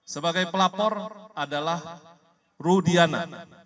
sebagai pelapor adalah rudiana